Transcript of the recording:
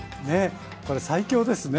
これ最強ですね。